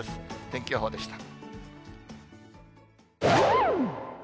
天気予報でした。